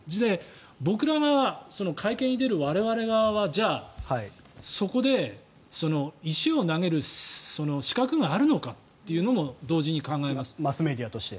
僕ら側は会見を見る我々側はじゃあ、そこで石を投げる資格があるのかというのもマスメディアとして。